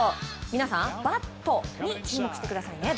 皆さんバットに注目してくださいね。